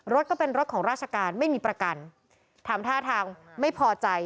รถก็เป็นรถของราชการไม่มีประกันทำท่าทางไม่พอใจ